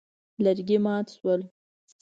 لرګي مات شول.